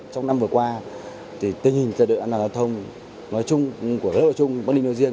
trong năm vừa qua thì tình hình gia đình giao thông nói chung của lớp hội chung bắc đinh đô diên